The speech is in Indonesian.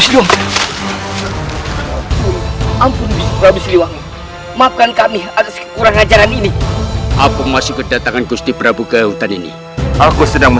salah satu kisah yang saya inginkan adalah kisah ini